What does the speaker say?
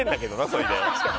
それで。